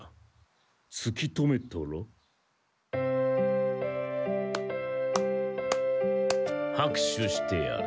つき止めたら？はくしゅしてやる。